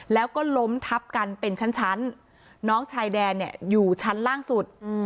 แล้วก็ล้มทับกันเป็นชั้นน้องชายแดนเนี่ยอยู่ชั้นล่างสุด